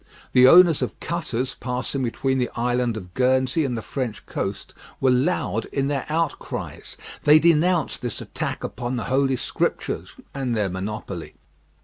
The owners of cutters passing between the Island of Guernsey and the French coast were loud in their outcries. They denounced this attack upon the Holy Scriptures and their monopoly.